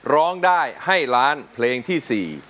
ร้องได้ให้ล้านเพลงที่๔